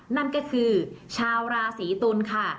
นั่นก็คือชาวราศีตุลค่ะ